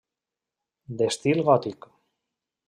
D'estil gòtic.